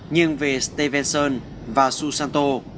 nhưng về stevenson và susanto